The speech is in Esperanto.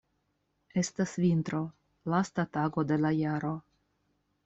Estas vintro, lasta tago de la jaro.